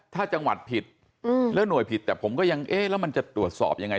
ถ้าจังหวัดผิดแล้วหน่วยผิดแต่ผมก็ยังเอ๊ะแล้วมันจะตรวจสอบยังไง